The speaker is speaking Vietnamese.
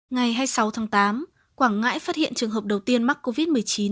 ngày hai mươi sáu tháng tám quảng ngãi phát hiện trường hợp đầu tiên mắc covid một mươi chín